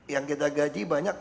yang kita gaji banyak